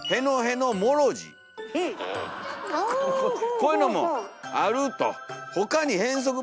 こういうのもあると。